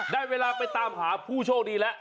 ได้เวลาไปตามหาผู้โชคดีแล้ว